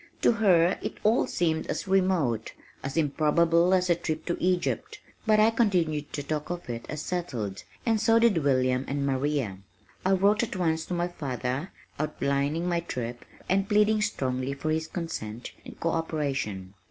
To her it all seemed as remote, as improbable as a trip to Egypt, but I continued to talk of it as settled and so did William and Maria. I wrote at once to my father outlining my trip and pleading strongly for his consent and co operation.